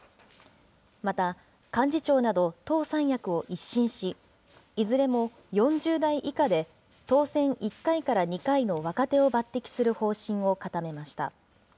また幹事長など党三役を一新し、いずれも４０代以下で当選１回から２回の若手を抜てきする方針を固めました。